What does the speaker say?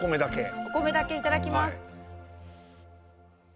お米だけいただきます。